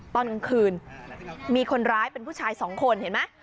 ตอนกลางคืนมีคนร้ายเป็นผู้ชายสองคนเห็นไหม